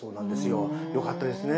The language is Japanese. よかったですね